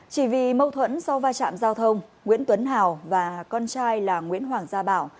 chỉ vì mâu thuẫn sau va chạm giao thông nguyễn tuấn hào và con trai là nguyễn hoàng gia bảo